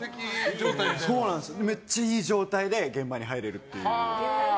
めっちゃいい状態で現場に入れるっていう。